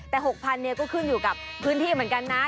แต่๖๐๐เนี่ยก็ขึ้นอยู่กับพื้นที่เหมือนกันนะ